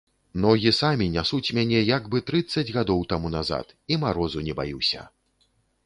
Ногі самі нясуць мяне, як бы трыццаць гадоў таму назад, і марозу не баюся!